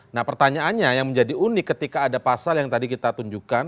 nah pertanyaannya yang menjadi unik ketika ada pasal yang tadi kita tunjukkan